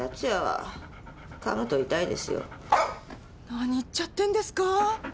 何言っちゃってんですか？